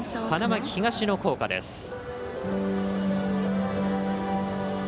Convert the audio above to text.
花巻東の校歌です。